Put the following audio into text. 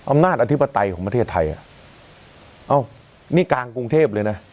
อธิปไตยของประเทศไทยอ่ะเอ้านี่กลางกรุงเทพเลยนะ